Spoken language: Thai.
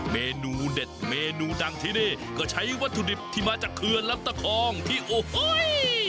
เมนูเด็ดเมนูดังที่นี่ก็ใช้วัตถุดิบที่มาจากเขื่อนลำตะคองที่โอ้โห